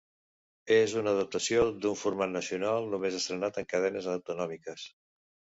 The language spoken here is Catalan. És una adaptació d’un format nacional, només estrenat en cadenes autonòmiques.